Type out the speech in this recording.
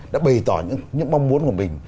đã bày tỏ những mong muốn của mình